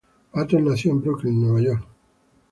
Patton nació en Brooklyn, Nueva York.